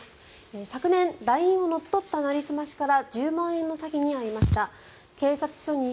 昨年、ＬＩＮＥを乗っ取ったなりますしから１０万円の詐欺に遭いました。